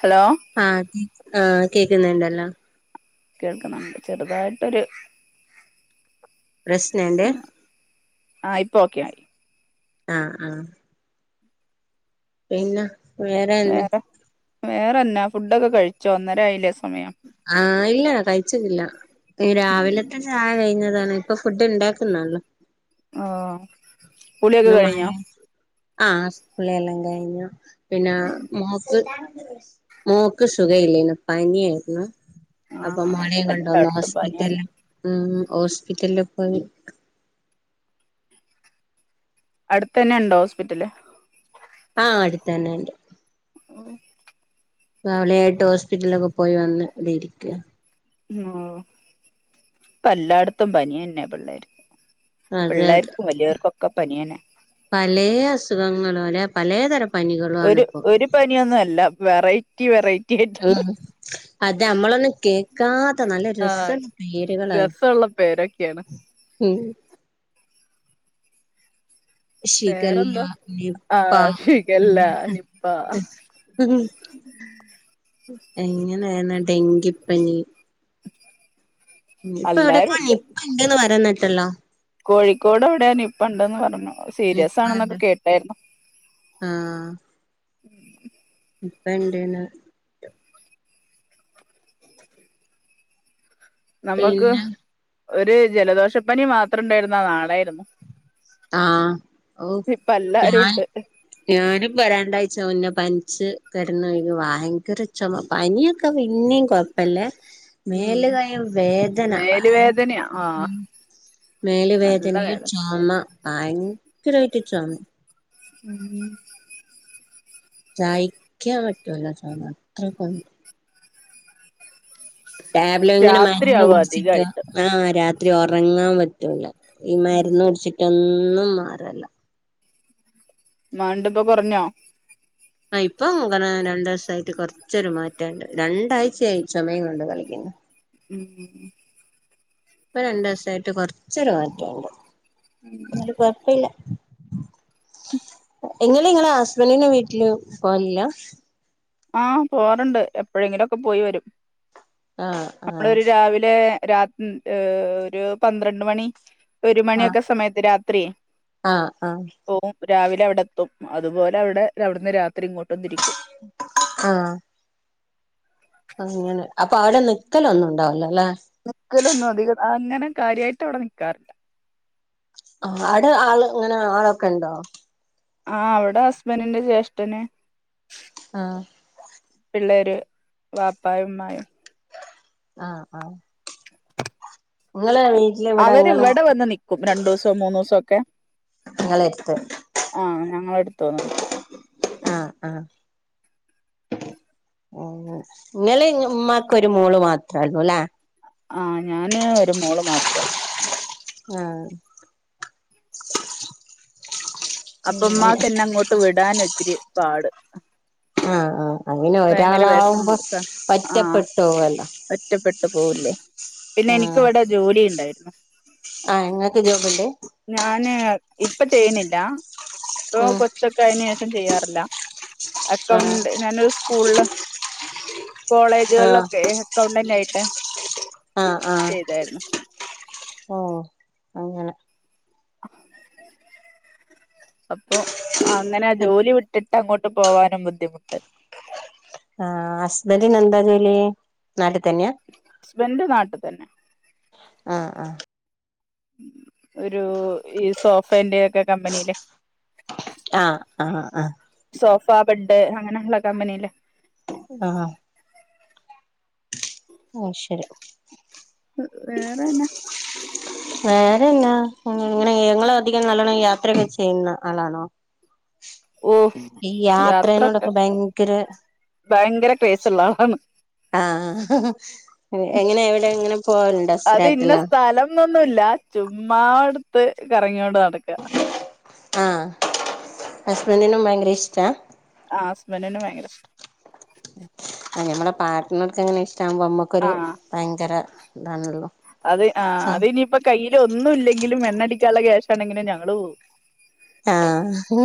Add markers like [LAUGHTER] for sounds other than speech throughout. Hello ആഹ് [UNINTELLIGIBLE] കേക്കുന്നുണ്ടല്ലോ കേൾക്കുന്നുണ്ട് ചെറുതായിട്ടൊരു പ്രശ്നണ്ട് ആഹ് ഇപ്പൊ ഓക്കെ ആയി ആഹ് ആഹ് പിന്നെ വേറെ വേറെന്നാ ഫുഡൊക്കെ കഴിച്ചോ ഒന്നര ആയില്ലേ സമയം ആഹ് ഇല്ല കഴിച്ച്ട്ടില്ല ഉം രാവിലത്ത് ത്തെ ചായ കഴിഞ്ഞതാണ് ഇപ്പൊ ഫുഡ് ഉണ്ടാക്കുന്നോളളു ആഹ് ഇന്ന് മഴ ആഹ് കുളി എല്ലാം കഴിഞ്ഞു പിന്നെ മോൾക്ക് മോക്ക് സുഖ ഇല്ലേരുന്നു പനിയാരുന്നു ആ അപ്പൊ മോളയുംം കൊണ്ടൊന്ന് എല്ലായിടത്തും ഹോസ്പിറ്റല് പനിയന്നെ ഉം ഹോസ്പിറ്റലിലും പോയി അടുത്തന്നെ ഉണ്ടോ ഹോസ്പിറ്റല് ആഹ് അടുത്തന്നെ ഉണ്ട് അ [UNINTELLIGIBLE] അവളെയായിട്ട് ഹോസ്പിറ്റലൊക്കെ പോയി വന്ന് ഇവിടെ ഇരിക്ക ഉം ഇപ്പ എല്ലായിടത്തും പനി എന്നെ പിള്ളേര്ക്ക് അതെ അതെ പനിയന്നെ പലേ അസുഖങ്ങളും അല്ലെ പലേ തരം ഒരു ഒരു പനിയൊന്നും അല്ല വെറൈറ്റി വെറൈറ്റി ആയിട്ടുണ്ട് ഉം അതെ അമ്മളന്നും കേൾക്ക ക്കാത്ത നല്ല ആ രസമുള്ള പേരുകളായി രസമുള്ള പേരൊക്കെയാണ് ഉം ശിഖല്ല വേറെന്താ ആ നിപ്പ ഷിഗല്ല നിപ്പ ഇങ്ങനെയന്ന് ഡെങ്കിപ്പനി ഇപ്പൊ എവിടെയക്കോ എല്ലാരും ഉണ്ട് നിപ്പ ഇണ്ടന്ന് പറയുന്ന് കേട്ടല്ലോ കോഴിക്കോട് എവിടെയോ നിപ്പ ഉണ്ടെന്ന് പറഞ്ഞു സീരിയസ് ആണെന്നൊക്കെ നിപ്പല്ലേ കേട്ടായിരുന്നു ആഹ് നിപ്പണ്ട്ന്ന് നമ്മക്ക് പിന്നെ ഒരു ജലദോഷപ്പനി മാത്രം ഇണ്ടായിരുന്ന നാടായിരുന്നു ആഹ് ഓ ഇപ്പ എല്ലാരും ഞാൻ ഉണ്ട് ഞാനും രണ്ടാഴ്ച മുന്നെ പനിച്ച് കെടന്നിരുന്നു ഭയങ്കര ചൊമ പനിയൊക്കെ പിന്നെയും കൊഴപ്പല്ലേ ഉം മേലുകൈയും വേദന മേല് വേദനയാ ആഹ് മേല് നല്ല വേദനയും വേദന ചൊമ ഭയങ്കരമായിട്ട് ചൊമ ഉം [INAUDIBLE] സയിക്കാൻ പറ്റുല്ല ചൊമ അത്രക്ക് ഉണ്ട് ടാബിലെ ഇങ്ങനെ മരുന്ന് രാത്രിയാവും കുടിച്ചിട്ട അധികായിട്ട് ആഹ് രാത്രി ഒറങ്ങാൻ പറ്റൂല ഈ ഉം മരുന്ന് കുടിച്ചിട്ടൊന്നും മാറൂല്ല മാണ്ട്പ്പൊ കുറഞ്ഞോ ആ ഇപ്പം രണ്ടു ദിവസായിട്ട് കൊറച്ചൊരു മാറ്റുണ്ട് രണ്ടാഴ്ചയായി ചൊമയും കൊണ്ട് കളിക്കുന്നു ഉം [INAUDIBLE] ഇപ്പൊ രണ്ടു ദിവസായിട്ട് കൊറച്ചൊരു മാറ്റണ്ട് ആ കൊഴപ്പില്ല ഇങ്ങൾ നിങ്ങളെ ഹസ്ബൻറിന്റെ വീട്ടില് പോകല് ഇല്ല ആഹ് പോകറുണ്ട് എപ്പോഴെങ്കിലും ഒക്കെ പോയി വരും ആഹ് ആഹ് അപ്പളൊരു രാവിലെ രാത്രി ഏ ഒരു പന്ത്രണ്ട് മണി ഒരു ആഹ് മണിയൊക്കെ സമയത്ത് രാത്രിയേ ആഹ് ആഹ് പോവും രാവിലെ അവിടെ എത്തും അതുപോലെ അവിടെ അവിടുന്ന് രാത്രി ഇങ്ങോട്ട് തിരിക്കും ആഹ് [INAUDIBLE] അങ്ങനെ അപ്പൊ അവിടെ നിക്കല് ഒന്നും ഉണ്ടാവില്ല അല്ലെ നിക്കലൊന്നും അധികം അങ്ങനെ കാര്യമായിട്ട് അവിടെ നിക്കാറില്ല ആ ആടെ ആള് ഇങ്ങനെ ആളൊക്കെ ഇണ്ടോ ആ അവിടെ ഹസ്ബൻഡ്റ്റിന്റെ ജ്യേഷ്ഠന് ആഹ് പിള്ളേര് വാപ്പായും ഉമ്മായും ആഹ് ആഹ് നിങ്ങെള് [UNINTELLIGIBLE] അവര് ഇവിടെ വന്ന് നിക്കും രണ്ടു ദിവസം മൂന്നു ദിവസമ ഒക്കെ ഇങ്ങളെ എടുത്ത് ആഹ് ഞങ്ങള എടുത്തു വന്നു നിൽക്കും ആഹ് ആഹ് നിങ്ങള് ഉമ്മാക്ക് ഒര് മോള് മാത്രം ഒള്ളൂല്ലേ ആന് ഞാന് ഒരു മോള് മാത്രേ ഒള്ളൂ ആഹ് അപ്പം ഇമ്മാക്ക് എന്നെ അങ്ങോട്ട് വിടൻ ഒത്തിരി പാട് ആഹ് ആഹ് അങ്ങനെ ഭയങ്കര ഒരാളാവുമ്പോ വിഷമോ സ ആഹ് ഒറ്റപ്പെട്ടു പോവുല്ലോ ഒറ്റപ്പെട്ടു പോവൂല്ലേ പിന്നെ എനിക്ക് ഇവിടെ ജോലി ഉണ്ടായിരുന്നു ആഹ് ഇങ്ങക്ക് ജോബ് ഇണ്ട് ഞാന് ഇപ്പൊ ചെയ്യുണില്ല ഇപ്പൊ ഉം കൊച്ചൊക്കെ അയതിന് ശേഷം ചെയ്യാറില്ല ആഹ് അക്കൗണ്ട് ഞാനൊരു സ്കൂള് ആഹ് കോളേജുകളിലൊക്കെ അക്കൗണ്ടന്റ് ആയിട്ട് ആഹ് ആഹ് ചെയ്തായിരുന്നു ഓ അങ്ങനെ അപ്പൊ അങ്ങനെ ജോലി വിട്ടിട്ട് അങ്ങോട്ട് പോവാനും ബുദ്ധിമുട്ട് ആഹ് ഹസ്ബന്റിന് എന്താ ജോലി നാട്ടിൽ തന്നെയാ ഹസ്ബൻഡ് നാട്ടിൽ തന്നെ ആഹ് ആഹ് ഒരു ഈ സോഫന്റെ ഒക്കെ കമ്പനിയില് ആഹ് ആഹ് ആഹ് സോഫ ബെഡ് അങ്ങനെയള്ള കമ്പനില്ലേ ആഹ് ആയ് ശരി വേറെന്നെ ഉ വേറെ എന്നാ ഇങ്ങനെ ഞങ്ങള അധികം നല്ലോണം യാത്രയൊക്കെ ചെയ്യുന്ന ആളാണോ ഓ ഈ യാത്രൊക്കെ യാത്രേനോടൊക്കെ ഭയങ്കര ഭയങ്കര ക്രേസള്ള ആളാണ് ആഹ് എങ്ങനെ എവിടെ ഇങ്ങനെ പോവാറുണ്ടേ സരാറ്റുള്ള ഒന്നുമല്ല ചുമ്മാ എടുത്ത് കറങ്ങിയോടെ നടക്കും ആഹ് ഹസ്ബെന്തിനും ഭയങ്കര ഇഷ്ട ആ ഹസ്ബൻനന് ഭയങ്കര ഇഷ്ടം ആ ഞമ്മടെ പാട്ടനർക്ക എങ്ങനെ ഇഷ്ടമാകുമ്പോ നമ്മുക്കരു ആ ഭയങ്കര ഇതാണള്ളോ അത് ആ അത് ഇനിയിപ്പോ കയ്യിൽ ഒന്നും ഇല്ലെങ്കിലും മണ്ണടിക്കാനുള്ള ക്ശഷ ആണെങ്ങനെ ഞങ്ങള്ൾ പോകും ആഹ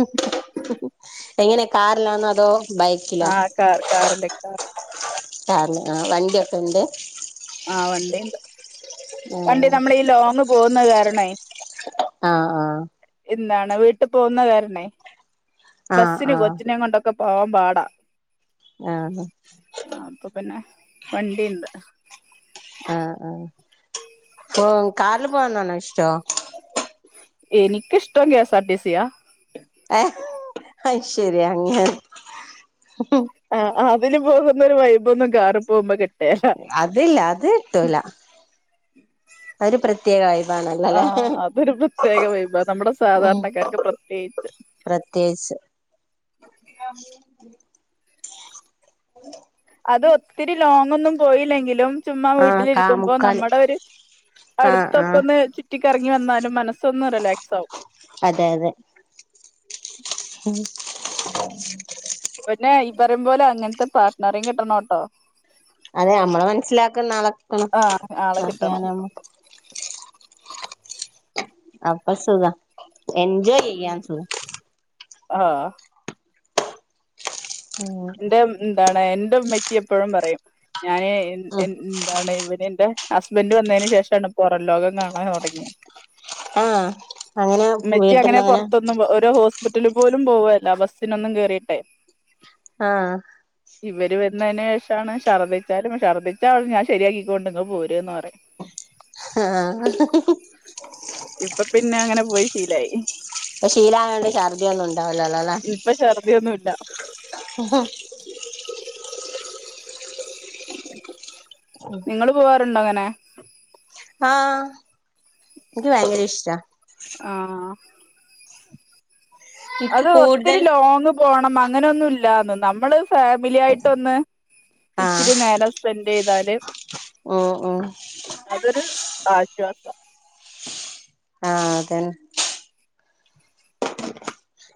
എങ്ങനെ കാറിലാന്നോ അതോ ബൈക്കിലാ ആ കാർ കാറില് കാർ കാറി ആ വണ്ടിയൊക്കെ ഉണ്ട് ആഹ വണ്ടിണ്ട് വണ്ടി നമ്മൾ ഈ ലോങ് പോകുന്നത് കാരണമായി ആഹ് ആഹ് എന്താണ് വീട്ടിൽ പോകുന്ന കാരണേ ആഹ് ആഹ് ബസിനന് കൊച്ചിനെ കൊണ്ടൊക്കെ ഒക്കെ പോവാൻ പാടാ ആഹ് ആ അപ്പൊ പിന്നെ വണ്ടിണ്ട് ആഹ് ആഹ് കാറില് പോവന്നാണോ ഇഷ്ടം ഏനിക്ക ഇഷ്ടം എസ് ആർ ടി സിയ ഏ അ ശരി അങ്ങെ ആ അതില് പോകുന്ന ഒരു വൈബ് ഒന്നും കാറി പോകുമ്പോ കിട്ട അതില്ല അത് കിട്ടൂല അത് ഒരു പ്രത്യേക വൈബ് ആ ആണലല്ലോ അതൊരു പ്രത്യേക വൈബാ നമ്മുടെ ഉ സാധാരണക്കാർക്ക് പ്രത്യേകിച്ച് പ്രത്യേകിച്ച് അത് ഒത്തിരി ലോങ്ങൊന്നും പോയില്ലെങ്കിലും ചുമ്മാ ആഹ് കാ വീട്ടിലിരിക്കുമ്പോ മുക്കാല് നമ്മുടെ ഒരു ആഹ് അടുത്തൊക്കെ ആഹ് ഒന്ന് ചു ചു ചുറ്റിക്കറങ്ങി വന്നാലും മനസ്സൊന്ന് റിലാക്സാവും അതെ അതെ ഉം പിന്നെ ഈ പറയും പോലെ അങ്ങനത്തെ പാർട്ട്നറെയും കിട്ടണോട്ടോ അതെ നമ്മളെ മനസ്സിലാക്കുന്ന ആളെ കിട്ടണം ആ ആളെ കിട്ടണം [UNINTELLIGIBLE] അപ്പൊ സുഖം എൻജോയ് ചെയ്യാൻ ഉം സുഖം ആഹ് ഉം എന്റെ എന്താണ് എന്റെ ഉമ്മച്ചി എപ്പോഴും പറയും ഞാൻ ഉം എന്താണ് ഇവന് എന്റെ ഹസ്ബൻഡ് വന്നതിന് ശേഷമാണ് പുറം ലോകം കാണാൻ തുടങ്ങിയത് ആ അങ്ങനെ വീട്ടിന്ന് അങ്ങനെ ന്നും ഓരോ ഹോസ്പിറ്റല് പോലും പോവല്ല ബസ്സിനൊന്നും കേറിയിട്ടെ ആഹ് ഇവര് വന്നതിന് ശേഷമാണ് ശർദ്ദിച്ചാലും ശർദ്ദിച്ചാ ഞാൻ ശരിയാക്കി കൊണ്ട് പോരും എന്ന് പറയും ആഹ് ഇപ്പൊ പിന്നെ അങ്ങനെ പോയി ശീലായി അപ്പ ശീലായോണ്ട് ഛർദ്ദി ഒന്നും ഉണ്ടാവില്ലല്ലോല്ലോ ഇപ്പൊ ശർദിയൊന്നും ഇല്ല നിങ്ങൾ പോവാറുണ്ടോ അങ്ങനെ ആഹ് എനിക്ക് ഭയങ്കര ഇഷ്ടാ ആഹ് എനിക്ക് അത് ഒത്തിരി കൂടുതൽ ലോങ് പോണം അങ്ങനെന്നുംല്ലന്ന് നമ്മള് ഫാമിലി ആയിട്ടൊന്ന് ഇച്ചിരി നേരം സ്പെന്റ് ചെയ്താല് ഓഹ് അതൊരു ആശ്വാസം അതന്നെ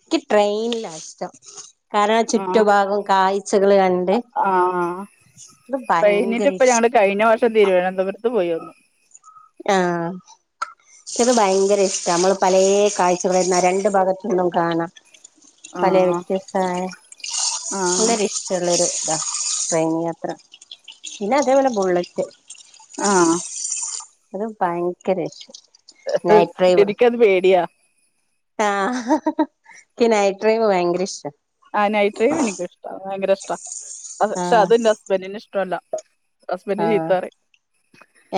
എനിക്ക് ട്രെയിനിലാ ഇഷ്ടം കാരണം ആ ചുറ്റു ഭാഗം കാഴ്ചകള് കണ്ട് ഇത് ട്രെയിനില് ഭയങ്കര ഇപ്പ ഇഷ് ഞങ്ങള് കഴിഞ്ഞ വർഷം തിരുവനന്തപുരത്ത് പോയി വന്നു ആ പക്ഷെ ഭയങ്കര ഇഷ്ട നമ്മള് പലേ കാഴ്ചകളും രണ്ടു ഭാഗത്ത്ന്നും കാണാം പല ആ വ്യത്യസ്തമായ ആ വളരെ ഇഷ്ടമുള്ളൊരു ഇതാ ട്രെയിൻ യാത്ര പിന്നെ അതേപോലെ ബുള്ളറ്റ് ആ അത് ഭയങ്കര ഇഷ്ട നൈറ്റ് എനിക്കത് പേടിയാ ആ എനിക്ക് നൈറ്റ്‌ ഡ്രൈവ് ഭയങ്കര ഇഷ്ട ആ നൈറ്റ് ഡ്രൈവ് എനിക്കിഷ്ട ഭയങ്കര ഇഷ്ട പക്ഷെ ആഹ് അത് എന്റെ ഹസ്ബൻഡിന് ഇഷ്ടല്ല ഹസ്ബൻഡ് ചീത്ത ആഹ് പറയും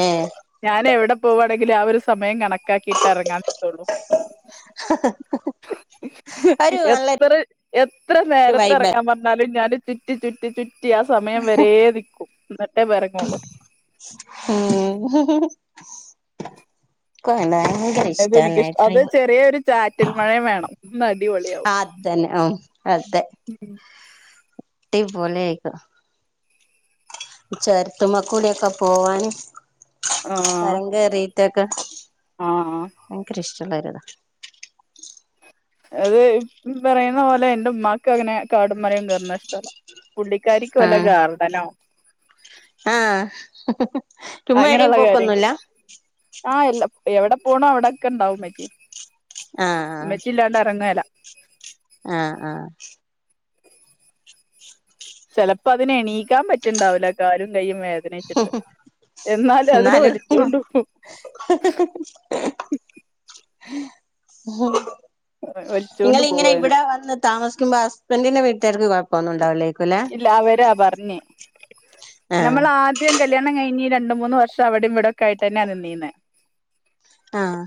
ഏഹ് ഞാൻ എവിടെ പോവാണെങ്കിൽ ആ ഒരു സമയം കണക്കാക്കി ഇറങ്ങാൻ ത്തോളൂ ഒരു നല്ല എത്ര എത്ര ഒരു നേരത്തെ വൈബ് ഇറങ്ങാൻ പറഞ്ഞാലും ഞാൻ ചുറ്റി ചുറ്റി ചു പറ്റി ആ സമയം വരേ നിക്കും ക് ഇന്നിട്ടേ വിറങ്ങുള്ളൂ ഉം. ഇക്കയെന്കരയിട്ട്. അതെനിക്കിഷ് അത് ചെറിയൊരു ചാറ്റിൽ മഴയും വേണം നടിപൊളി. അതന്നെ ഓ അതെ. ഉം. ടിപൊളായികു ചോരതമ്മേ കൂഡ്യോക്കെ പോവാന്. ആഹ്. ചൊരം കേറീറ്റൊക്കെ ആഹ് ഭയങ്കര ഇഷ്ടള്ളെ കാര്യാണ്. അയ് പറയുന്ന പോലെ ഇന്റെ ഉമ്മാക്ക് അങ്ങനെ കാടുംമലയും കേർണതിഷ്ടല്ല. പുള്ളിക്കാരിക്ക് വല്ല ആഹ് ഗാർഡനോ. ആഹ്. ചുമ്മാ എവിടെയും അങ്ങനെയുള്ള കാര്യം പോക്കൊന്നുല്ല ആ എല്ല എവിടെ പോണോ അവിടൊക്കെണ്ടാവുംമ്മച്ചി. ആഹ് മെച്ചില്ലാണ്ടറങേല. ആഹ് ആഹ്. ചെലപ്പോ അതിനെ എണീക്കാൻ പറ്റുണ്ടാവില്ല കാരും കൈ്യും വേ തിനച്ചിട്ട് എന്നാല അതിനെ എന്നാലും വലിച്ചൊണ്ട് പോ വലിച്ചോണ്ട് പോവും ഇങ്ങളിങ്ങനെ അതിനെ ഇവിടെ വന്ന് ക് താമസിക്കുമ്പോ ഹസ്ബൻറിന്റെ വീട്ടേര്ക്ക് കൊഴ പോന്നുണ്ടാവിലേൽക്കുലേ.? ഇല്ല അവരാ പറഞ്ഞ ആഹ് നമ്മൾ ആദ്യ ദ്യം കല്യാണം കഴിഞ് രണ്ട് മൂന്ന്ർഷ അവിടെ ഇവിടൊക്കെ ആയിട്ടന്നെ നിന്നീന്ന്. ആഹ്.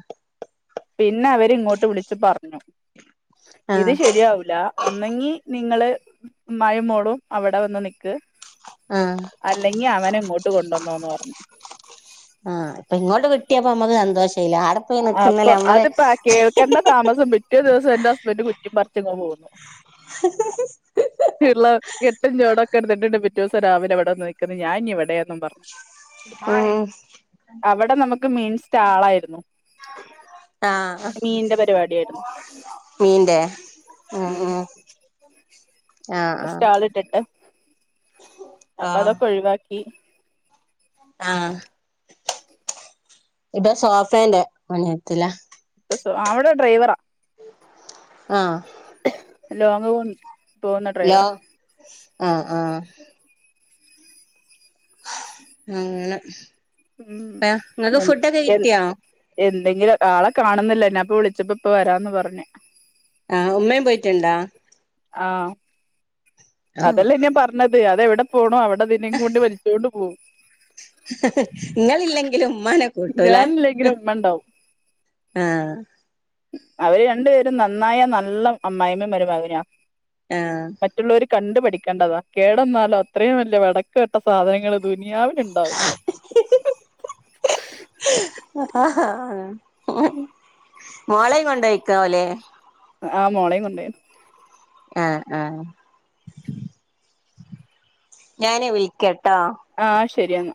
പിന്നെ അവര് ഇങ്ങോട്ട് വിളിച്ചു പറഞ്ഞു ഇത് ആഹ് ശരിയാവൂല ഒന്നങ്ങി നിങ്ങള് മ്മായും മോളും അവിടെ വന്ന് നിക്ക്. ഉം. അല്ലെങ്കി അവനെ ഇങ്ങോട്ട് കൊണ്ടുവന്നോന്നറഞ്ഞു. ആഹ്പ്പൊ ഇങ്ങോട്ട്കിട്ടിയപ്പോ അമ്മക്ക് സന്തോഷ ല്യ ആടെപ്പോ. അപ്പൊ അതിപ്പ കേൾക്കേണ്ട താമസം പിറ്റേ ദിവസം എന്റെ ഹസ്ബൻഡറ് കുറ്റി പററിച്ങ് പോന്നു. [INAUDIBLE] ള്ളെ എട്ടഞ്ചോടൊക്കെ എടുത്തിട്ടുണ്ട്പിറ്റേ വസം രാവിലെവിടെന്ന് നിക്ക്ന്ന് ഞാഞ്ഞ വടെന്ന്. ന്നും പറഞ് ഉം അവടെ നമുക്ക് മീൻസ്റ്റാളായിരുന്നു. ആഹ്. പരിപാടിയായിരുന്നു മീന്റെ ഉം ഉം. ആഹ് സ്റ്റാളിട്ടിട്ട് അപ്പൊ ആഹ് അതൊക്കെ ഒഴിവാക്കി. ആഹ് ഇബൊ സോഫേന്റെ മനിയത്തില. പ്പോ സോ ആഹ് അവടെ ഡ്രൈവറാ. ആഹ്. ലോങ് പോണ്. ലോ ആഹ് ആഹ്. അങ്ങനെ ഉം ഏഹ് ഇങ്ങക്ക് ഫുഡൊക്കെ എ കിട്ടിയാ? എന്തെങ്കിലും ആളെ കാണുന്നില്ല ഞാപ്പൊ വിളിച്ചപ്പോ ഇപ്പ വരാന്ന് പറഞ്ഞ്. ആഹ് ഉമ്മേം പോയിറ്റ്ണ്ടാ? ആഹ്. ആ അതല്ലേ ഞാ പറഞ്ഞത് അതെവടെ പോണു അവടെ ഇതിനേം കൊണ്ട് വലിച്ചോണ്ട് പോവും. ഇങ്ങളില്ലെങ്കിലു ഉമ്മാനെ കൂട്ടൂലേ ഞാനില്ലെങ്കിലും ഉമ്മ ഉണ്ടാവും ആഹ്. അവര് രണ്ടു പേരും നന്നായ നല്ല അമ്മായിമ്മയു മരുമകനാ. ആഹ്. മറ്റുള്ളവര് കണ്ട് പഠിക്കണ്ടതാ കേടന്നാലോ അത്രയും വലിയ വെടക്ക് കെട്ട സാധനങ്ങള് ദുനിയവിലുണ്ടാവൂല ആഹ് ഹാ മോളയും കൊണ്ടഴിക്കാവലേ ആഹ് മോളയും കൊണ്ടൊയി അഹ് അഹ് ഞാനെ വിളിക്കട്ടോ ആഹ് ശരിയെന്ന